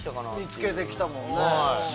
見つけてきたもんね。